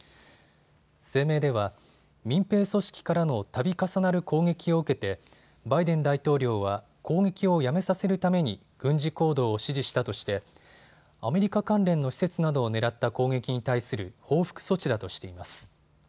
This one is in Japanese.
声明では、民兵組織からのたび重なる攻撃を受けてバイデン大統領は攻撃をやめさせるために軍事行動を指示したとしてアメリカ関連の施設などを狙った攻撃に対する報復措置だとしています。